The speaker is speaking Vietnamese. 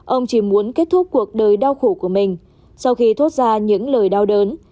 ông chỉ muốn kết thúc cuộc đời đau khổ của mình sau khi thoát ra những lời đau đớn